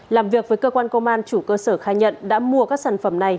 làm việc với cơ quan công an chủ cơ sở khai nhận đã mua các sản phẩm này